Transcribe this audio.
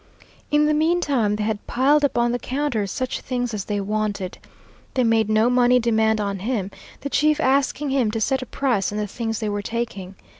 In the mean time they had piled up on the counters such things as they wanted. They made no money demand on him, the chief asking him to set a price on the things they were taking.